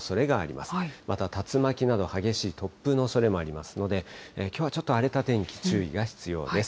また竜巻など、激しい突風のおそれもありますので、きょうはちょっと荒れた天気、注意が必要です。